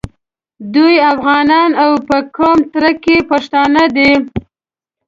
دوی افغانان او په قوم تره کي پښتانه دي.